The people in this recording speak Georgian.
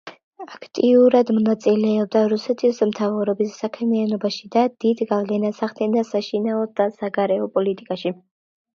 აქტიურად მონაწილეობდა რუსეთის მთავრობის საქმიანობაში და დიდ გავლენას ახდენდა საშინაო და საგარეო პოლიტიკაში.